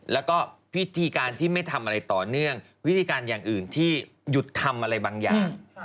แล้วก็วิธีการที่ไม่ทำอะไรต่อเนื่องวิธีการอย่างอื่นที่หยุดทำอะไรบางอย่าง